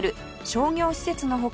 商業施設の他